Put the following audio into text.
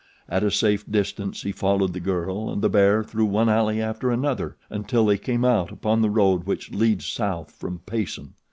At a safe distance he followed the girl and the bear through one alley after another until they came out upon the road which leads south from Payson.